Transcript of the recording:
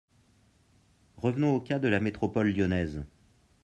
Revenons au cas de la métropole lyonnaise.